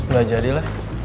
gak jadi lah